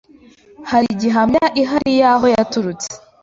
Hari gihamya ihari yahoo yaturutse